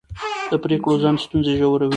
د پرېکړو ځنډ ستونزې ژوروي